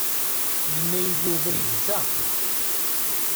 Yenna-yi-d Yuba yegza.